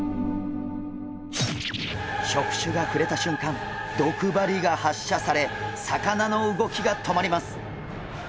触手が触れたしゅんかん毒針が発射され魚の動きが止まります。